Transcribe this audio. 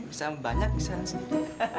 bisa banyak bisa sedikit